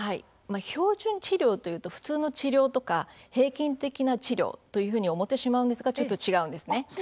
標準治療というと普通の治療とか平均的な治療と思ってしまうんですがちょっと違うんです。